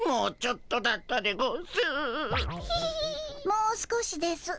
「もう少しです。